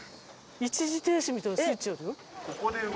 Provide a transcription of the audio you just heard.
一時停止みたいなスイッチあるよ。